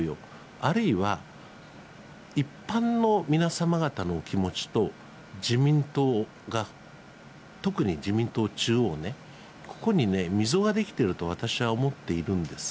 あるいは一般の皆様方のお気持ちと、自民党が、特に自民党中央ね、ここにね、溝が出来ていると思っているんです。